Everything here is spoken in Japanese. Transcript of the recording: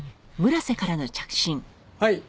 はい。